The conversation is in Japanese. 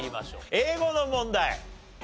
英語の問題。